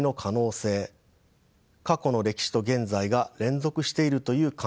過去の歴史と現在が連続しているという感覚